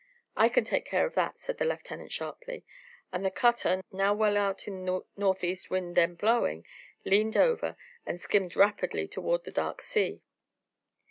"I can take care of that," said the lieutenant sharply; and the cutter, now well out in the north east wind then blowing, leaned over, and skimmed rapidly towards the dark sea.